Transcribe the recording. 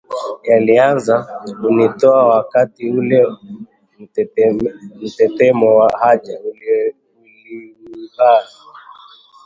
yalianza kunitoka wakati ule mtetemo wa haja ulinivaa